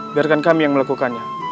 biarkan kami yang melakukannya